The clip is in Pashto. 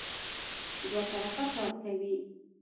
دوه طرفه کار کوي.